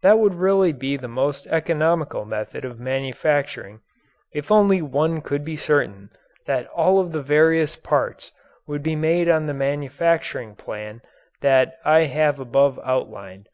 That would really be the most economical method of manufacturing if only one could be certain that all of the various parts would be made on the manufacturing plan that I have above outlined.